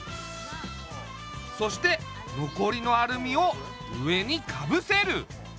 そしてのこりのアルミを上にかぶせる。